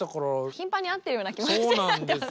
頻繁に会ってるような気持ちになってます。